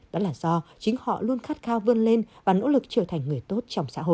đó là do chính họ luôn khát khao vươn lên và nỗ lực trở thành người tốt